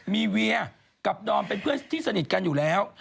มีเวียกับดอมเป็นเพื่อนที่สนิทกันอยู่แล้ว